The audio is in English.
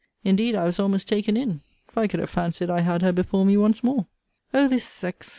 Indeed I was almost taken in; for I could have fancied I had her before me once more. O this sex!